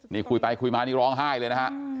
นี่คุยไปคุยมานี่ร้องไห้เลยนะฮะ